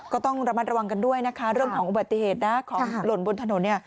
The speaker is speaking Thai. ก็ต้องระมัดระวังกันด้วยนะคะเรื่องของอุบัติเหตุนะของหล่นบนถนนเนี่ย